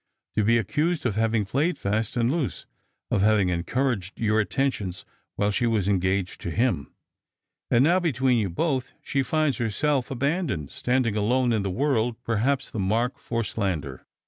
To be accused of having played fast and loose, of having encouraged your attentions while she was engaged to him. And now, between you both, she finds herself abandoned, standing alone in the world, perhaps the mark for slander."